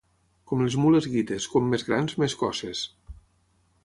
Com les mules guites, com més grans, més coces.